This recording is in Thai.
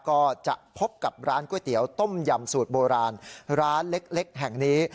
ก็จะพบกับร้านก๋วยเตี๋ยวต้มยำสูตรโบราณร้านเล็กแห่งนี้